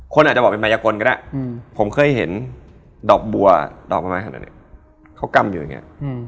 คนอาจจะบอกเป็นมายกลก็ได้ผมเคยเห็นดอกบัวดอกไม้ขนาดเขากำอยู่อย่างนี้